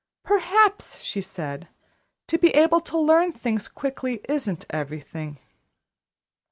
"Perhaps," she said, "to be able to learn things quickly isn't everything.